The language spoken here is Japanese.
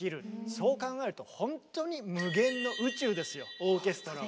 そう考えるとほんとに無限の宇宙ですよオーケストラは。